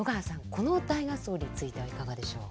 この大合奏についてはいかがでしょう？